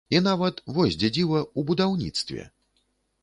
І нават, вось дзе дзіва, у будаўніцтве.